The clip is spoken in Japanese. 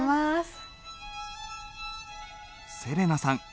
せれなさん